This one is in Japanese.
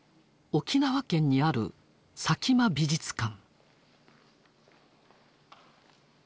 沖縄県にある佐喜眞美術館。